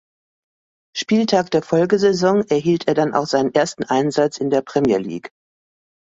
Spieltag der Folgesaison erhielt er dann auch seinen ersten Einsatz in der Premier League.